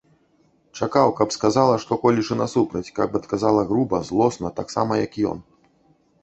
Чакаў, каб сказала што-колечы насупраць, каб адказала груба, злосна, таксама, як ён.